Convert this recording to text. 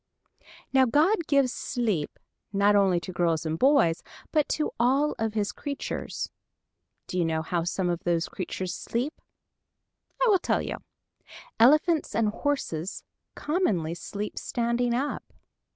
Now God gives sleep not only to girls and boys but to all of his creatures. Do you know how some of those creatures sleep? I will tell you. Elephants and horses commonly sleep standing up.